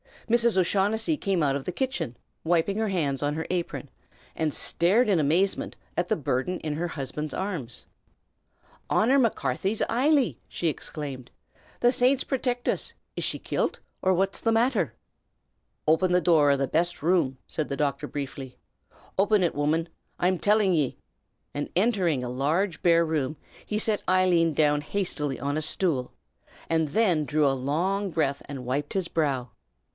Mrs. O'Shaughnessy came out of the kitchen, wiping her hands on her apron, and stared in amazement at the burden in her husband's arms. "Honor Macarthy's Eily!" she exclaimed. "The Saints protict uz! Is she kilt, or what's the matther?" "Open the door o' the best room!" said the doctor, briefly. "Open it, woman, I'm tillin' ye!" and entering a large bare room, he set Eileen down hastily on a stool, and then drew a long breath and wiped his brow.